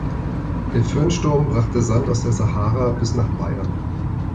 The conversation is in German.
Der Föhnsturm brachte Sand aus der Sahara bis nach Bayern.